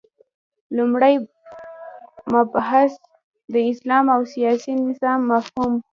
لومړی مبحث : د اسلام د سیاسی نظام مفهوم